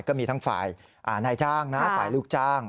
ก็มีทั้งฝ่ายนายจ้างนะฝ่ายลูกจ้าง